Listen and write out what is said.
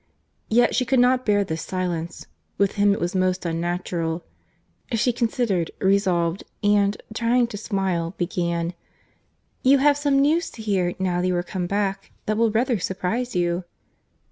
Yet she could not bear this silence. With him it was most unnatural. She considered—resolved—and, trying to smile, began— "You have some news to hear, now you are come back, that will rather surprize you."